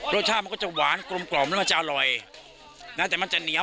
รสชาติมันก็จะหวานกลมกล่อมแล้วมันจะอร่อยนะแต่มันจะเหนียว